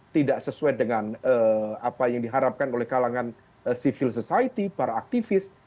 tidak sesuai dengan apa yang diharapkan oleh kalangan civil society para aktivis